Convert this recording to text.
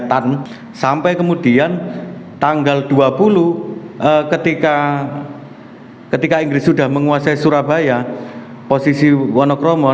sampai kemudian tanggal dua puluh ketika inggris sudah menguasai surabaya posisi wonokromo